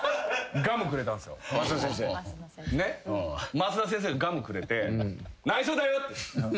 マスダ先生がガムくれて「内緒だよ」って。